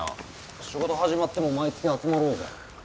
仕事始まっても毎月集まろうぜ。